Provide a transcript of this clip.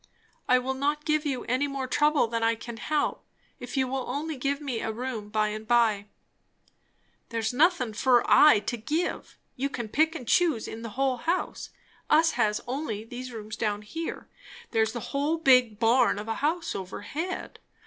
"I will not give you any more trouble than I can help if you will only give me a room by and by." "There's nothin' fur I to give you can pick and choose in the whole house. Us has only these rooms down here; there's the whole big barn of a house overhead.